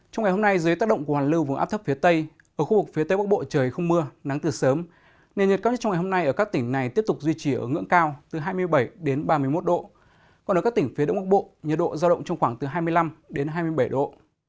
trong ngày hôm nay dưới tác động của hoàn lưu vùng áp thấp phía tây ở khu vực phía tây bắc bộ trời không mưa nắng từ sớm nền nhiệt cao nhất trong ngày hôm nay ở các tỉnh này tiếp tục duy trì ở ngưỡng cao từ hai mươi bảy đến ba mươi một độ còn ở các tỉnh phía đông bắc bộ nhiệt độ giao động trong khoảng từ hai mươi năm đến hai mươi bảy độ